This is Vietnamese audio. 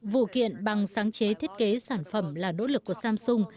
vụ kiện bằng sáng chế thiết kế sản phẩm là nỗ lực của samsung